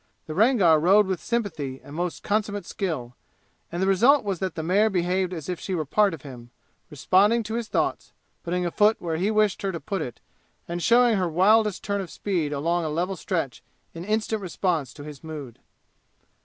The Rangar rode with sympathy and most consummate skill, and the result was that the mare behaved as if she were part of him, responding to his thoughts, putting a foot where he wished her to put it and showing her wildest turn of speed along a level stretch in instant response to his mood.